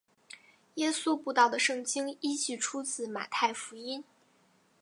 耶稣步道的圣经依据出自马太福音。